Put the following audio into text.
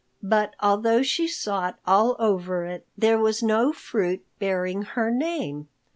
But although she sought all over it, there was no fruit bearing her name.